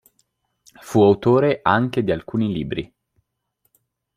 Fu autore anche di alcuni libri.